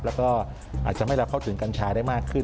แล้วก็อาจจะทำให้เราเข้าถึงกัญชาได้มากขึ้น